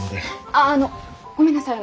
あああのごめんなさい